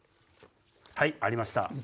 はいありました。